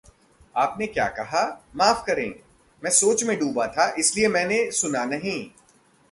आपने क्या कहा? माफ़ करें, मैं सोच में डूबा था इसलिए मैंने सुना नहीं।